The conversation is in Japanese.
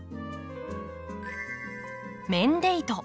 メンデイト。